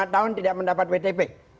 lima tahun tidak mendapat wtp